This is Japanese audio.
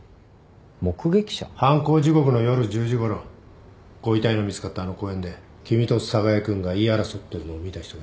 犯行時刻の夜１０時ごろご遺体の見つかったあの公園で君と寒河江君が言い争ってるのを見た人がいる。